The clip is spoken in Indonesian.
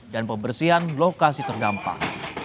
dan pembersihan lokasi terdampak